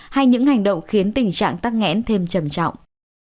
hay những hành động khiến tình trạng tắc nghẽn thêm trầm trọng